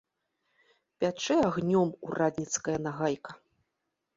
Пячэ агнём урадніцкая нагайка.